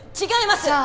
違います！